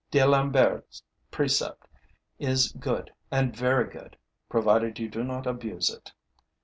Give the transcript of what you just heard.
D'Alembert's precept is good and very good, provided you do not abuse it.